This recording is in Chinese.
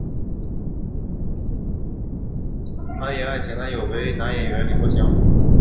安苡爱前男友为男演员李博翔。